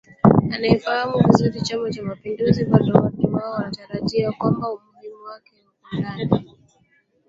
anayeifahamu vizuri Chama cha mapinduzi bado watu hao wanatarajia kwamba umuhimu wake ndani ya